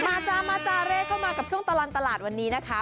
จ้ามาจาเร่เข้ามากับช่วงตลอดตลาดวันนี้นะคะ